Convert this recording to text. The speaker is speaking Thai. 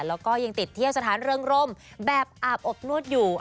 แล้วก็ยังติดเที่ยวสถานเรืองร่มแบบอาบอบนวดอยู่